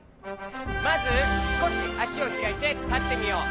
まずすこしあしをひらいてたってみよう。